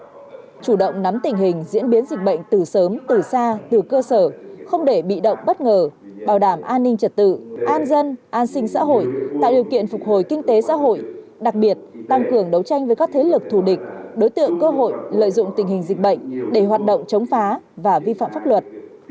đồng chí thứ trưởng yêu cầu thời gian tới cục y tế bộ công an chủ động nắm tình hình diễn biến dịch bệnh từ sớm từ xa từ cơ sở không để bị động bất ngờ bảo đảm an ninh trật tự an dân an sinh xã hội tạo điều kiện phục hồi kinh tế xã hội đặc biệt tăng cường đấu tranh với các thế lực thù địch đối tượng cơ hội lợi dụng tình hình dịch bệnh để hoạt động chống phá và vi phạm pháp luật